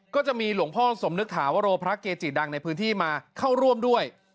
ก็จะมีหลวงพ่อสมนึกถาวโรพระเกจิดังในพื้นที่มาเข้าร่วมด้วย